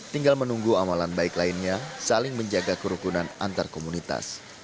tinggal menunggu amalan baik lainnya saling menjaga kerukunan antar komunitas